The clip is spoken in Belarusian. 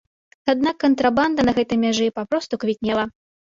Аднак кантрабанда на гэтай мяжы папросту квітнела.